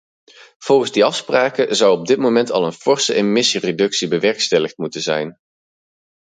Volgens die afspraken zou op dit moment al een forse emissiereductie bewerkstelligd moeten zijn.